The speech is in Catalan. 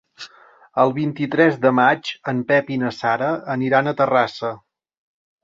El vint-i-tres de maig en Pep i na Sara aniran a Terrassa.